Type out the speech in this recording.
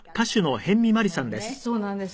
そうなんです。